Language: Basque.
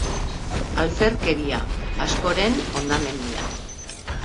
Alferkeria, askoren ondamendia.